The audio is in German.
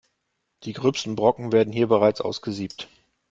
Die gröbsten Brocken werden hier bereits ausgesiebt.